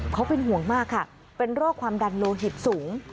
เขาเป็นห่วงมากค่ะเป็นโรคความดันโลหิตสูง